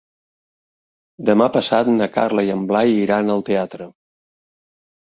Demà passat na Carla i en Blai iran al teatre.